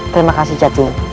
terima kasih cacing